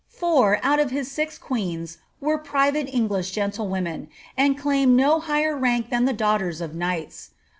Four, out of his six queens, were private English gentlewomen, and claimed no kigher rank than the daughters of knights.